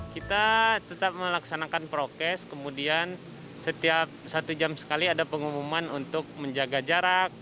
kita tetap melaksanakan prokes kemudian setiap satu jam sekali ada pengumuman untuk menjaga jarak